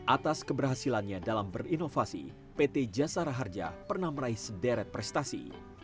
atas keberhasilannya dalam berinovasi pt jasara harja pernah meraih sederet prestasi